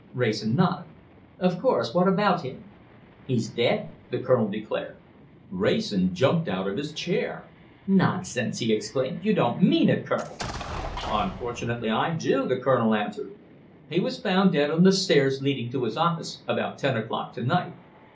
Wrayson nodded. "Of course! What about him?" "He's dead!" the Colonel declared. Wrayson jumped out of his chair. "Nonsense!" he exclaimed. "You don't mean it, Colonel!" "Unfortunately, I do," the Colonel answered. "He was found dead on the stairs leading to his office, about ten o'clock to night.